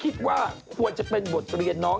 คิดว่าควรจะเป็นบทเรียนน้อง